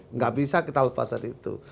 nggak bisa kita lepas dari itu